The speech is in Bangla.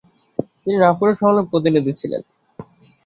তিনি নাগপুর সম্মেলনে প্রতিনিধি ছিলেন।